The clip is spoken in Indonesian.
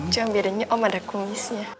cuma bedanya om ada kumisnya